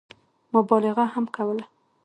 مبالغه هم کوله.